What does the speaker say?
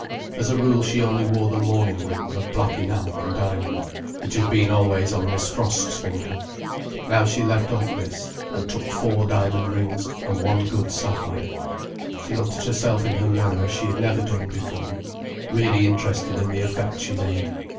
As a rule she only wore the mourning ring of black enamel and diamond, which had been always on Miss Frost's finger. Now she left off this, and took four diamond rings, and one good sapphire. She looked at herself in her mirror as she had never done before, really interested in the effect she made.